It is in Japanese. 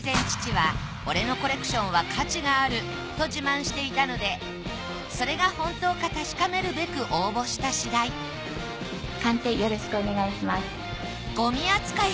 しかし生前父はと自慢していたのでそれが本当か確かめるべく応募した次第鑑定よろしくお願いします。